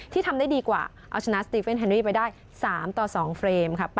ทำได้ดีกว่าเอาชนะสติเฟนแฮรี่ไปได้๓ต่อ๒เฟรมค่ะ